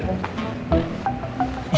ini saatnya berada